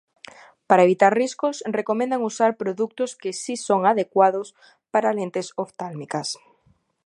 Para evitar riscos recomendan usar produtos que si son adecuados para lentes oftálmicas.